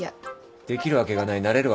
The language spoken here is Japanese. できるわけがないなれるわけがない。